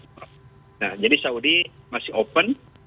nah jadi saudi masih open